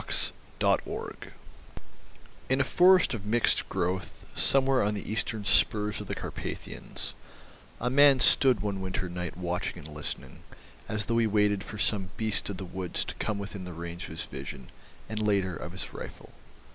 THE INTERLOPERS In a forest of mixed growth somewhere on the eastern spurs of the Karpathians, a man stood one winter night watching and listening, as though he waited for some beast of the woods to come within the range of his vision, and, later, of his rifle.